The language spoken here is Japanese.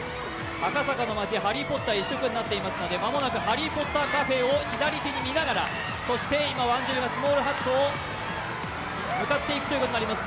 赤坂の街、「ハリー・ポッター」一色になっていますので間もなくハリー・ポッターカフェを左手に見ながら、今、ワンジルがスモールハットに向かっていくことになります。